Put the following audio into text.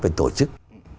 phải tổ chức